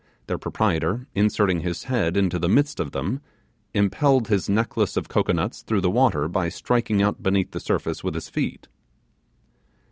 Their proprietor inserting his head into the midst of them, impelled his necklace of cocoanuts through the water by striking out beneath the surface with his feet.